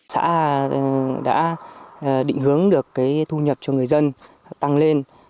xã đã định hướng được cái thu nhập cho người dân tăng lên